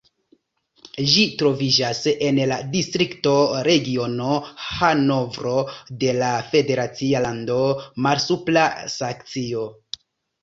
Ĝi troviĝas en la distrikto Regiono Hanovro de la federacia lando Malsupra Saksio.